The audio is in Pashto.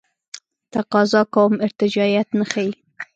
تقاضا کوم ارتجاعیت نه ښیي.